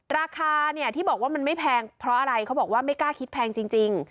ราคาเนี่ยที่บอกว่ามันไม่แพงเพราะอะไรเขาบอกว่าไม่กล้าคิดแพงจริง